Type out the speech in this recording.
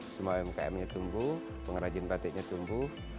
semua umkm nya tumbuh pengrajin batiknya tumbuh